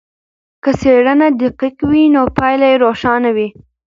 که څېړنه دقیقه وي نو پایله یې روښانه وي.